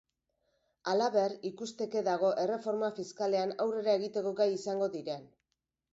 Halaber, ikusteke dago erreforma fiskalean aurrera egiteko gai izango diren.